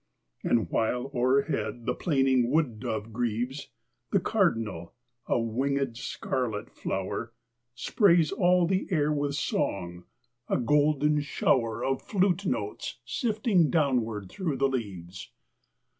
And while o'erhead the plaining wood dove grieves, The cardinal a wingèd, scarlet flower Sprays all the air with song, a golden shower Of flutes notes sifting downward thro' the leaves.